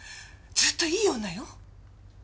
ずっといい女よ。